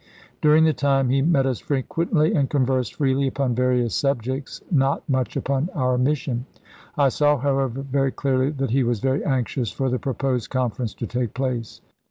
During the time, he met us frequently and conversed freely upon various subjects, not much upon our s^waern8' mission. I saw, however, very clearly that he was theestK." very anxious for the proposed conference to take Vol. II., t „ P. 597. place."